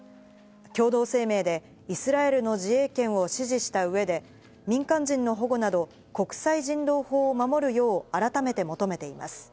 共同声明でイスラエルの自衛権を支持した上で、民間人の保護など、国際人道法を守るよう、改めて求めています。